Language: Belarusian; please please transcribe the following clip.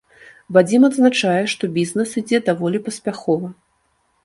Вадзім адзначае, што бізнэс ідзе даволі паспяхова.